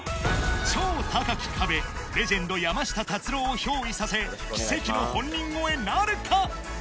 超高き壁レジェンド山下達郎を憑依させ奇跡の本人超えなるか？